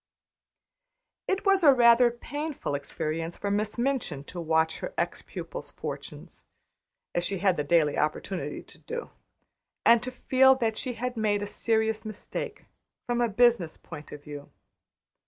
It was rather a painful experience for Miss Minchin to watch her ex pupil's fortunes, as she had the daily opportunity to do, and to feel that she had made a serious mistake, from a business point of view.